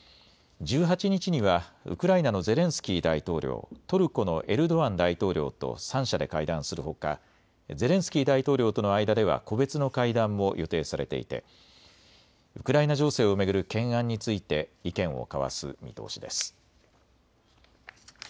１８日にはウクライナのゼレンスキー大統領、トルコのエルドアン大統領と三者で会談するほかゼレンスキー大統領との間では個別の会談も予定されていてウクライナ情勢を巡る懸案について意見を交わす見通しです。